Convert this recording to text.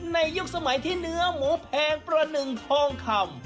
ยุคสมัยที่เนื้อหมูแพงประหนึ่งทองคำ